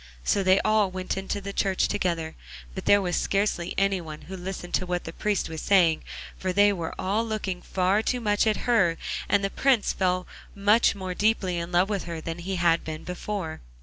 So they all went into the church together, but there was scarcely any one who listened to what the priest was saying, for they were all looking far too much at her, and the Prince fell much more deeply in love with her than he had been before.